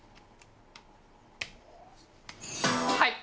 はい！